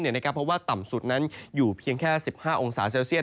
เพราะว่าต่ำสุดนั้นอยู่เพียงแค่๑๕องศาเซลเซียต